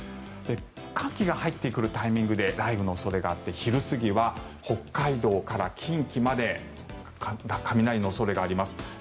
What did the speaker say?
寒気が入ってくるタイミングで雷雨の恐れがあって昼過ぎは北海道から近畿まで雷の恐れがあります。